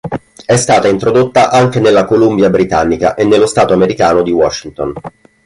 È stata introdotta anche nella Columbia Britannica, e nello stato americano di Washington.